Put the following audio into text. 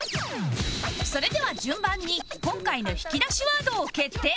それでは順番に今回の引き出しワードを決定